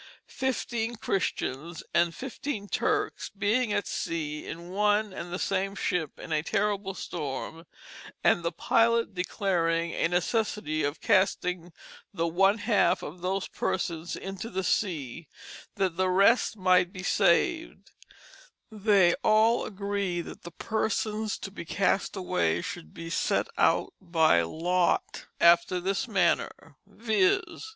fifteen Christians and fifteen Turks being at Sea in one and the same Ship in a terrible Storm, & the Pilot declaring a necessity of casting the one half of those Persons into the Sea, that the rest might be saved; they all agreed that the persons to be cast away should be set out by lot after this manner, viz.